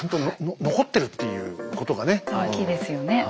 大きいですよね。